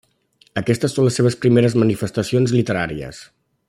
Aquestes són les seves primeres manifestacions literàries.